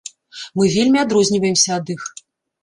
Мы вельмі адрозніваемся ад іх.